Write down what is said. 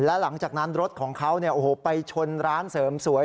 และหลังจากนั้นรถของเขาไปชนร้านเสริมสวย